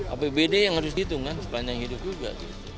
apbd yang harus dihitung kan sepanjang hidup juga